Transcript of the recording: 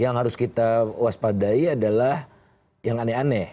yang harus kita waspadai adalah yang aneh aneh